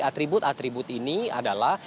atribut atribut ini adalah